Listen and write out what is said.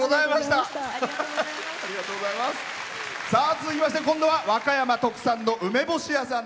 続きまして今度は和歌山特産の梅干し屋さん。